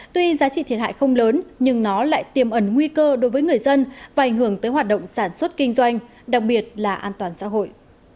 tuy giá trị thiệt hại không lớn nhưng nó lại tiềm ẩn nguy cơ đối với người dân và ảnh hưởng tới hoạt động sản xuất kinh doanh đặc biệt là an toàn xã hội